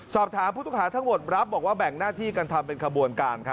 สอบถามผู้ต้องหาทั้งหมดรับบอกว่าแบ่งหน้าที่กันทำเป็นขบวนการ